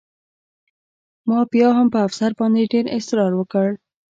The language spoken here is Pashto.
ما بیا هم په افسر باندې ډېر اسرار وکړ